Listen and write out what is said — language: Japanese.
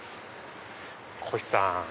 こひさん